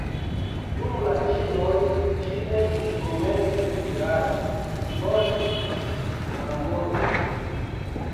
Dum la ĉinoj ĝi estis komence vilaĝo, poste kampurbo.